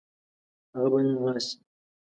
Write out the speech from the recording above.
هغه به نن راشي.